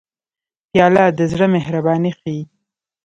پیاله د زړه مهرباني ښيي.